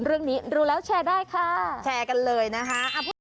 เรื่องนี้รู้แล้วแชร์ได้ค่ะแชร์กันเลยนะคะ